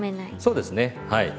そうですねはい。